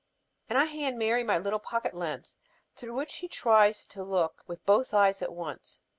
And I hand Mary my little pocket lens through which she tries to look with both eyes at once.